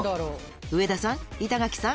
上田さん板垣さん